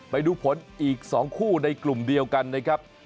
ไปดูผลอีก๒คู่ในกลุ่มเดียวกันนะครับ